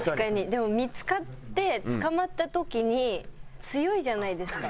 でも見付かって捕まった時に強いじゃないですか。